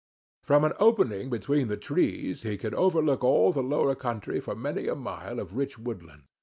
From an opening between the trees he could overlook all the lower country for many a mile of rich woodland.